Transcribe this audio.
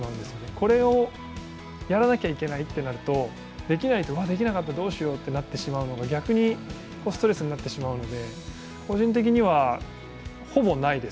これをやらなきゃいけないとなると、できないと、できなかった、どうしようと逆にストレスになってしまうので、個人的にはほぼないです。